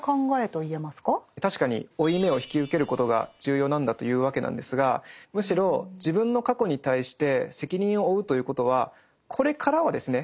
確かに負い目を引き受けることが重要なんだというわけなんですがむしろ自分の過去に対して責任を負うということはこれからはですね